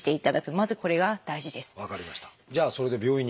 まずこれが大事です。